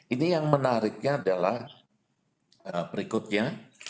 ini yang menariknya adalah berikutnya